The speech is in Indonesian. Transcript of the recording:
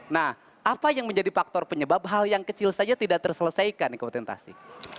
nah apa yang menjadi faktor penyebab hal yang kecil saja tidak terselesaikan kontentasi